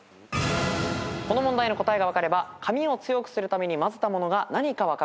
この問題の答えが分かれば紙を強くするために混ぜたものが何か分かるはず。